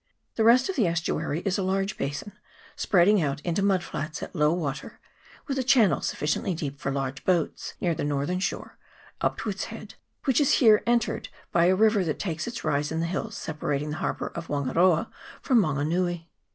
The rest of the estuary is a large basin, CHAP. XIV.J PU TE KAKA RIVER. 227 spreading out into mud flats at low water, with a channel sufficiently deep for large b6ats, near the northern shore, up to its head, which is here en tered by a river that takes its rise in the hills separating the harbour of Wangaroa from Mango nui.